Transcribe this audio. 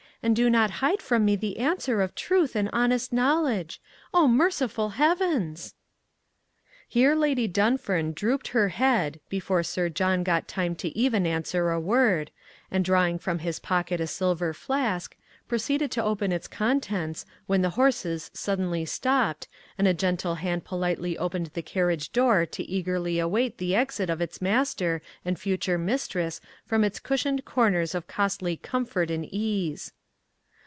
and do not hide from me the answer of truth and honest knowledge? Oh, merciful heavens!" Here Lady Dunfern drooped her head before Sir John got time to even answer a word, and drawing from his pocket a silver flask, proceeded to open its contents, when the horses suddenly stopped, and a gentle hand politely opened the carriage door to eagerly await the exit of his master and future mistress from its cushioned corners of costly comfort and ease.